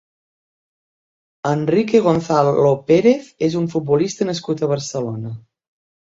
Enrique Gonzalo Pérez és un futbolista nascut a Barcelona.